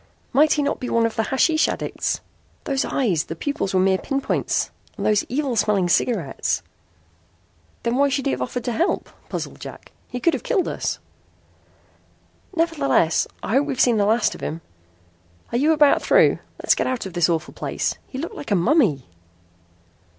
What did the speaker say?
"Might he not be one of the hashish addicts? Those eyes the pupils were mere pinpoints and those evil smelling cigarettes." "Then why should he have offered to help?" puzzled Jack. "He could have killed us." "Nevertheless I hope we've seen the last of him. Are you about through? Let's get out of this awful place. He looked like a mummy!"